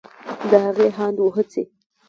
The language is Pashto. د هغې هاند و هڅې